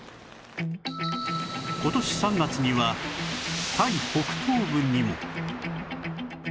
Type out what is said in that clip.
今年３月にはタイ北東部にも